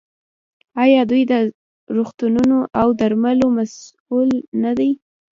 آیا دوی د روغتونونو او درملو مسوول نه دي؟